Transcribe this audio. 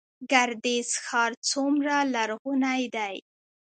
ګردیز ښار څومره لرغونی دی؟